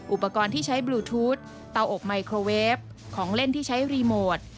อุปกรณ์ที่ใช้บลูทูธเตาอบไมโครเวฟของเล่นที่ใช้รีโมท